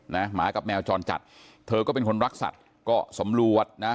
หมากับแมวจรจัดเธอก็เป็นคนรักสัตว์ก็สำรวจนะ